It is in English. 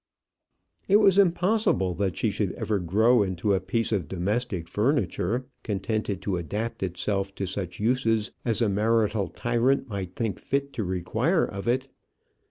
It was impossible that she should ever grow into a piece of domestic furniture, contented to adapt itself to such uses as a marital tyrant might think fit to require of it.